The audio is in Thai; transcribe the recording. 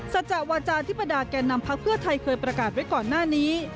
สัจจะวาจาธิบรรดาแก่นำพักเพื่อไทยเคยประกาศไว้ก่อนหน้านี้